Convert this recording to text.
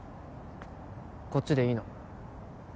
こっちでいいの？